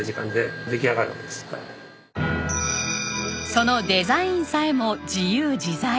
そのデザインさえも自由自在。